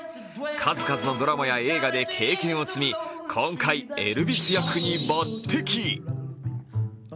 数々のドラマや映画で経験を積み、今回、エルヴィス役に抜てき。